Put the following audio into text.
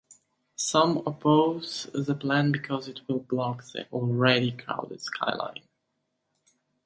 Some oppose the plan because it will block the already crowded skyline.